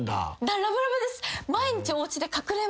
ラブラブです。